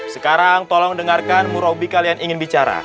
sekarang tolong dengarkan murobi kalian ingin bicara